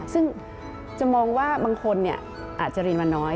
ซึ่งจะมองว่าบางคนอาจจะเรียนมาน้อย